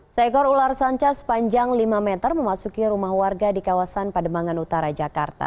seekor ular sanca sepanjang lima meter memasuki rumah warga di kawasan pademangan utara jakarta